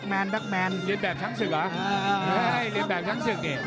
แบคแมนเลี้ยงแบบชั้นสึก